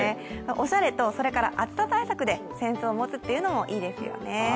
おしゃれと暑さ対策で扇子を持つというのもいいですよね。